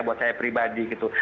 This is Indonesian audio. buat saya pribadi gitu